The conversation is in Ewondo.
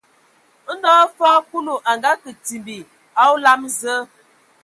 Ndɔ hm fɔɔ Kulu a ngakǝ timbi a olam Zǝǝ,